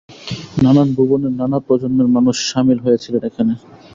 নানান ভুবনের, নানা প্রজন্মের মানুষ শামিল হয়েছিলেন এখানে।